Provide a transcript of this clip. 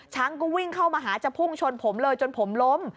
ก็วิ่งเข้ามาหาจะพุ่งชนผมเลยจนผมล้ม